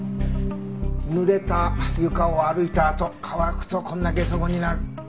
濡れた床を歩いたあと乾くとこんなゲソ痕になる。